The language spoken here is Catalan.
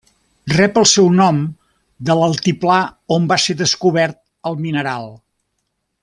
Rep el seu nom de l'altiplà on va ser descobert el mineral.